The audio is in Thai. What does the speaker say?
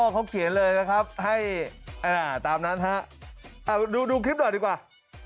เขาเขียนเลยนะครับให้ตามนั้นฮะดูคลิปหน่อยดีกว่า